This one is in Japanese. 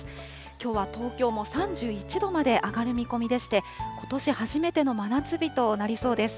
きょうは東京も３１度まで上がる見込みでして、ことし初めての真夏日となりそうです。